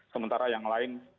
sementara yang lain